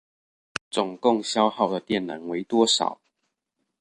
總共消耗的電能為多少？